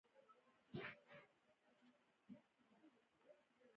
پیاله له یار سره د ناستې یاد لري.